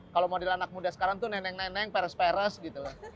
kalau model anak muda sekarang tuh nenek nenek peres peres gitu loh